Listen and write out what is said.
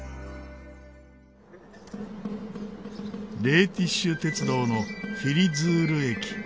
レーティッシュ鉄道のフィリズール駅。